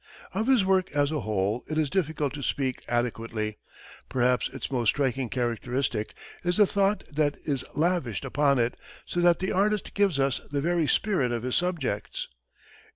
Of his work as a whole, it is difficult to speak adequately. Perhaps its most striking characteristic is the thought that is lavished upon it, so that the artist gives us the very spirit of his subjects.